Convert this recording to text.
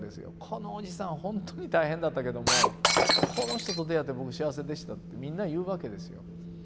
「このおじさんほんとに大変だったけどもこの人と出会って僕幸せでした」ってみんなに言うわけですよ。